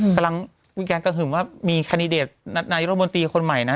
กำลังวิการก็หึมว่ามีคันดิเดตนัดนัดยุทธบนตรีคนใหม่นะ